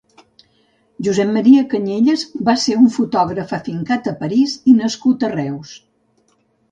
Josep Maria Cañellas va ser un fotògraf afincat a París nascut a Reus.